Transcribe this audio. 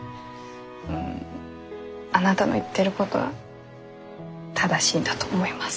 うんあなたの言ってることは正しいんだと思います。